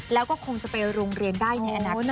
แล้วก็คงจะไปโรงเรียนได้ในอนาคต